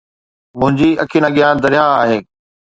منهنجي اکين اڳيان درياهه آهي